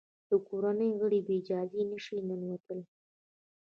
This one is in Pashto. د کورنۍ غړي بې اجازې نه شي ننوتلای.